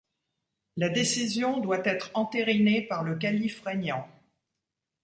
La décision doit être entérinée par le calife régnant.